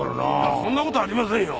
そんな事ありませんよ。